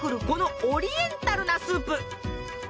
このオリエンタルなスープ。